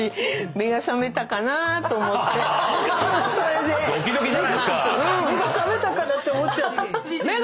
目が覚めたかなって思っちゃう。